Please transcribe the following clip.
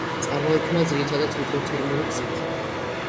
წარმოიქმნება ძირითადად ჰიდროთერმული გზით.